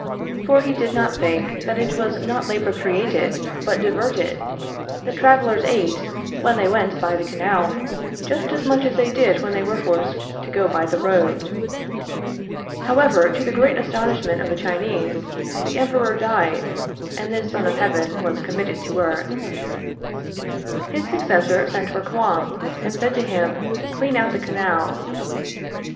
For he did not think that it was not labor created, but diverted; that travelers ate when they went by the canal just as much as they did when they were forced to go by the road. However, to the great astonishment of the Chinese, the Emperor died, and this Son of Heaven was committed to earth. His successor sent for Kouang, and said to him: "Clean out the canal."